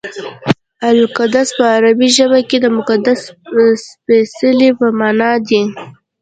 القدس په عربي ژبه کې د مقدس سپېڅلي په مانا دی.